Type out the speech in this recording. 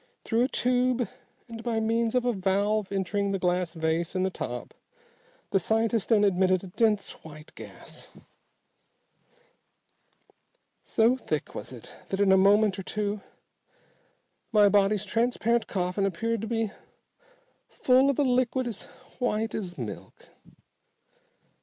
Through a tube, and by means of a valve entering the glass vase in the top, the scientist then admitted a dense white gas. So thick was it that in a moment or two my body's transparent coffin appeared to be full of a liquid as white as milk.